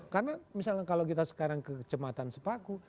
karena misalnya kalau kita sekarang ke kecamatan sepaku